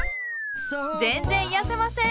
全然癒やせません！